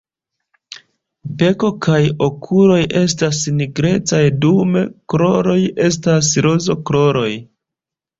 Beko kaj okuloj estas nigrecaj, dum kruroj estas rozkoloraj.